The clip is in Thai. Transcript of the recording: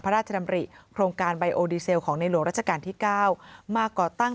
พระราชดำริโครงการไบโอดีเซลของในหลวงราชการที่๙มาก่อตั้ง